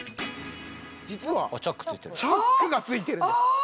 実はチャックが付いてるんです。